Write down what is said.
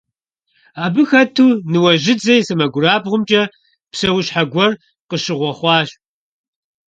Абы хэту Ныуэжьыдзэ и сэмэгурабгъумкӀэ псэущхьэ гуэр къыщыгъуэхъуащ.